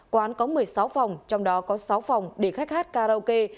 quán có một mươi sáu phòng trong đó có sáu phòng để khách hát karaoke